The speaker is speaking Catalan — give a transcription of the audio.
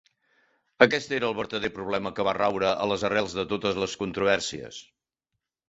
Aquest era el vertader problema que va raure a les arrels de totes les controvèrsies.